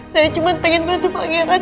saya cuma pengen bantu pangeran